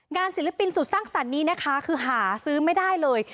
ศิลปินสุดสร้างสรรค์นี้นะคะคือหาซื้อไม่ได้เลย